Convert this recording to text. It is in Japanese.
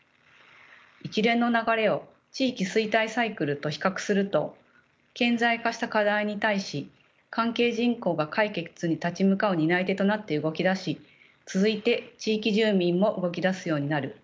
一連の流れを地域衰退サイクルと比較すると顕在化した課題に対し関係人口が解決に立ち向かう担い手となって動き出し続いて地域住民も動き出すようになる。